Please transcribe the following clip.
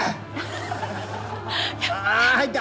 あ入った！